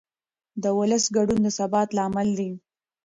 د ولس ګډون د ثبات لامل دی